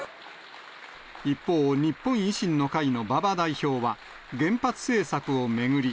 一方、日本維新の会の馬場代表は、原発政策を巡り。